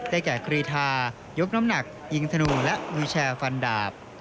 แก่กรีทายกน้ำหนักยิงธนูและวิแชร์ฟันดาบ